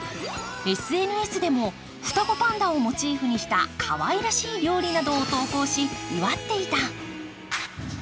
ＳＮＳでも、双子パンダをモチーフにしたかわいらしい料理などを投稿し祝っていた。